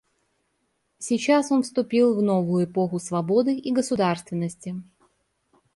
Сейчас он вступил в новую эпоху свободы и государственности.